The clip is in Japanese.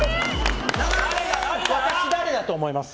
私、誰だと思います？